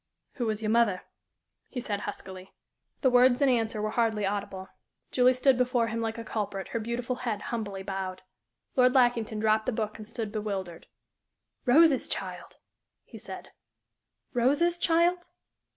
"Who was your mother?" he said, huskily. The words in answer were hardly audible. Julie stood before him like a culprit, her beautiful head humbly bowed. Lord Lackington dropped the book and stood bewildered. "Rose's child?" he said "Rose's child?"